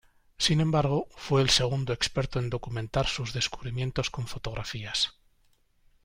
Sin embargo, fue el segundo experto en documentar sus descubrimientos con fotografías.